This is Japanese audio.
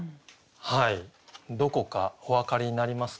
どこかお分かりになりますか？